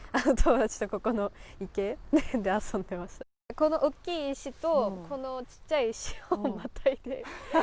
このおっきい石とちっちゃい石をまたいで。